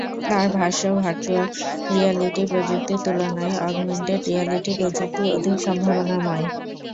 তাঁর ভাষ্য, virtual reality প্রযুক্তির তুলনায় অগমেন্টেড রিয়্যালিটি প্রযুক্তি অধিক সম্ভাবনাময়।